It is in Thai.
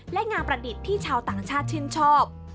และงานประดิษฐ์ที่ชาวต่างชาติชื่นชอบ